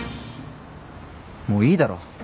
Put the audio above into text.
もういいだろ。